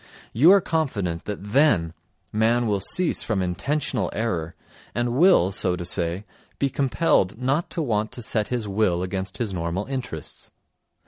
You are confident that then man will cease from intentional error and will, so to say, be compelled not to want to set his will against his normal interests.